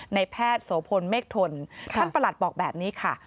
ในแพทย์โสพลเมฆทนท่านประหลัดบอกแบบนี้ค่ะ